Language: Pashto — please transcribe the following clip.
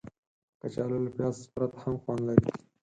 کچالو له پیاز پرته هم خوند لري